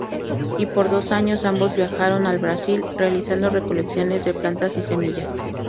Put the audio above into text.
Y por dos años, ambos viajaron al Brasil, realizando recolecciones de plantas y semillas.